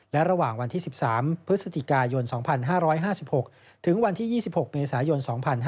และระหว่างวันที่๑๓พฤศจิกายน๒๕๕๖ถึงวันที่๒๖เมษายน๒๕๕๙